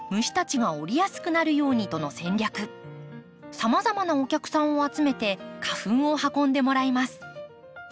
さまざまなお客さんを集めて花粉を運んでもらいます。